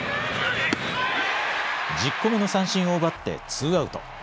１０個目を三振を奪ってツーアウト。